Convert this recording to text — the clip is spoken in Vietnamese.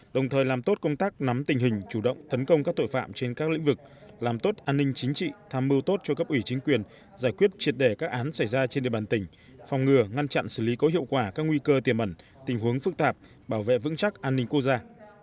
đồng thời làm tốt công tác nắm tình hình chủ động thấn công các tội phạm trên các lĩnh vực làm tốt an ninh chính trị tham mưu tốt cho cấp ủy chính quyền giải quyết triệt đề các án xảy ra trên địa bàn tỉnh phòng ngừa ngăn chặn xử lý có hiệu quả các nguy cơ tiềm ẩn tình huống phức tạp bảo vệ vững chắc an ninh quốc gia